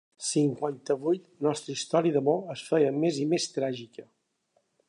Cinquanta-vuit nostra història d'amor es feia més i més tràgica.